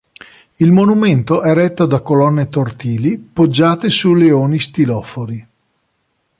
Il monumento è retto da colonne tortili poggiate su leoni stilofori.